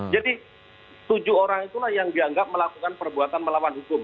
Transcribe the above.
jadi tujuh orang itulah yang dianggap melakukan perbuatan melawan hukum